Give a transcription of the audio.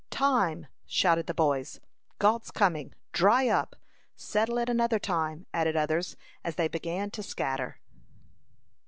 "Time!" shouted the boys. "Gault's coming! Dry up!" "Settle it another time," added others, as they began to scatter.